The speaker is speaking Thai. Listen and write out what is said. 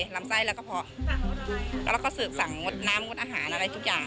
แล้วก็เสิร์ฟสั่งงดน้ำงดอาหารอะไรทุกอย่าง